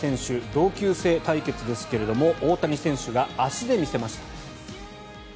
同級生対決ですが大谷選手が足で見せました。